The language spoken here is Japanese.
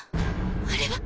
あれは。